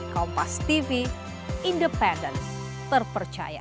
kompas tv independen terpercaya